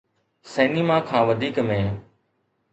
cinema کان وڌيڪ ۾